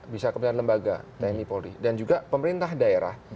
bisa kemudian lembaga tni polri dan juga pemerintah daerah